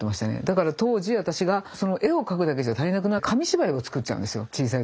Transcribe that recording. だから当時私が絵を描くだけじゃ足りなくなって紙芝居を作っちゃうんですよ小さい時に。